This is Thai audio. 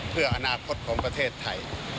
เพื่ออนาคตของประเทศไทย